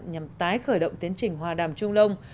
nhằm tái khởi động tiến trình hòa đàm trung đông